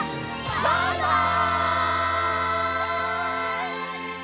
バイバイ！